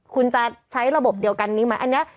คุณจะใช้ระบบเดียวกันนี้ไหม